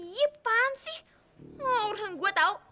gimana sih ngurusin gua tau